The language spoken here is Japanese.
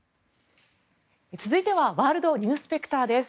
続いてはワールドニュースペクターです。